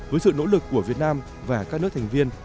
với sự nỗ lực của việt nam và các nước thành viên